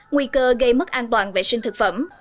nguy cơ gây mất an toàn vệ sinh thực phẩm